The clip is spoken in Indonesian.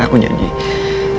aku akan menjaga kamu dengan baik